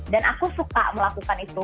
dan aku suka melakukan itu